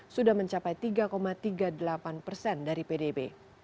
sudah mencapai tiga tiga puluh delapan persen dari pdb